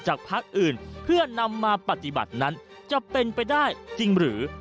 พักอื่นเพื่อนำมาปฏิบัตินั้นจะเป็นไปได้จริงหรือ